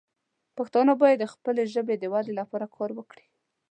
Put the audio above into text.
پښتانه باید د خپلې ژبې د ودې لپاره کار وکړي.